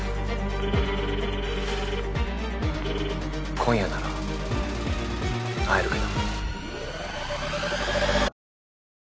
今夜なら会えるけど。